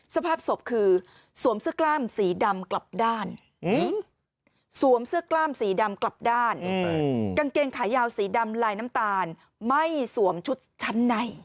สภาพสภคือสวมเสื้อกล้ามสีดำกลับด้าน